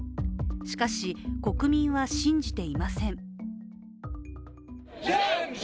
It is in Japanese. しかし、国民は信じていません。